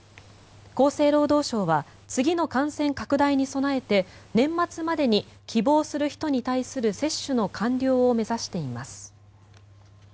厚生労働省は次の感染拡大に備えて年末までに希望する人に対する接種の完了を目指しています。